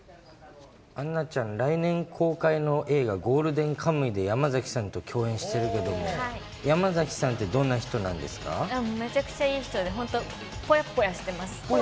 杏奈ちゃん、来年公開の映画、ゴールデンカムイで山崎さんと共演してるけども、めちゃくちゃいい人で、本当、ぽやっぽやしてます。